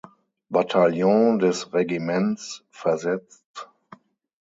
Bataillon des Regiments versetzt.